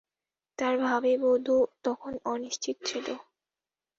তার ভাবী বধূ তখন অনিশ্চিত ছিল।